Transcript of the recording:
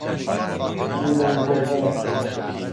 لیلونگوه